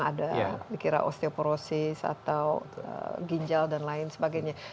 ada dikira osteoporosis atau ginjal dan lain sebagainya